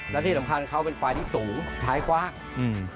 และที่สำคัญเขาเป็นฝ่ายที่สูงท้ายกว้างอืม